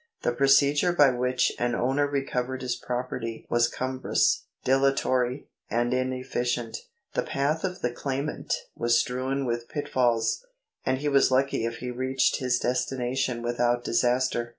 The procedure by which an owner recovered his property was cumbrous, dilatory, and inefficient. The path of the claimant was strewn with pit falls, and he was lucky if he reached his destination without disaster.